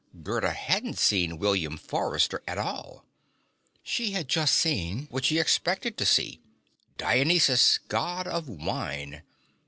Gerda hadn't seen William Forrester at all. She had seen just what she expected to see; Dionysus, God of Wine.